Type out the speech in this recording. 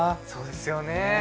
そうですよね。